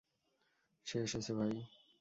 সে এসেছে, ভাই!